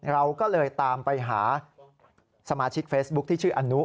เราก็เลยตามไปหาสมาชิกเฟซบุ๊คที่ชื่ออนุ